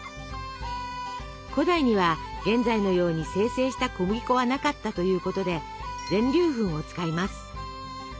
古代には現在のように精製した小麦粉はなかったということで全粒粉を使います。